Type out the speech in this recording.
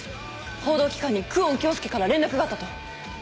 報道機関に久遠京介から連絡があったと。